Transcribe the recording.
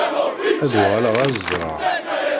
Ad uɣaleɣ ad ẓreɣ.